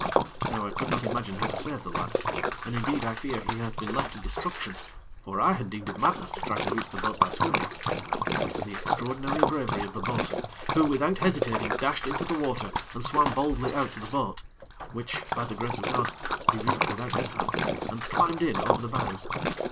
Now I could not imagine how to save the lad, and indeed I fear he had been left to destruction for I had deemed it madness to try to reach the boat by swimming but for the extraordinary bravery of the bo'sun, who, without hesitating, dashed into the water and swam boldly out to the boat, which, by the grace of God, he reached without mishap, and climbed in over the bows.